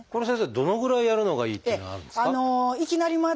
どのぐらいやるのがいいっていうのはあるんですか？